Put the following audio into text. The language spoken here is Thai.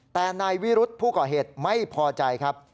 แต่นายวิรุธผู้ก่อเหตุไม่พอใจครับ